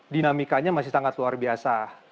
dinamikanya masih sangat luar biasa